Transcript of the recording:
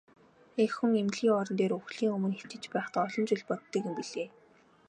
Эх хүн эмнэлгийн орон дээр үхлийн өмнө хэвтэж байхдаа олон зүйл боддог юм билээ.